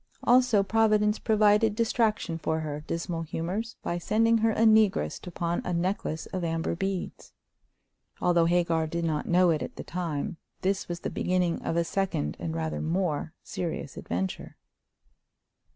Also, Providence provided distraction for her dismal humors by sending her a negress to pawn a necklace of amber beads. Although Hagar did not know it at the time, this was the beginning of a second and rather more serious adventure.